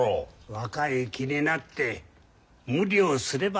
若い気になって無理をすれば必ず倒れる。